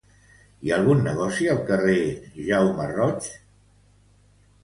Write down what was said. Hi ha algun negoci al carrer Jaume Roig cantonada Jaume Roig?